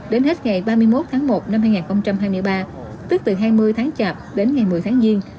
đến hết ngày ba mươi một tháng một năm hai nghìn hai mươi ba tức từ hai mươi tháng chạp đến ngày một mươi tháng giêng